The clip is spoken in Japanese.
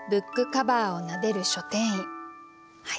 はい。